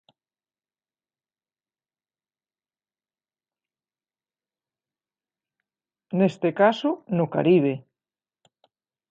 Neste caso, no Caribe.